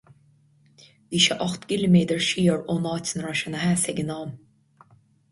Bhí sé ocht gciliméadar siar ón áit ina raibh sé ina sheasamh ag an am.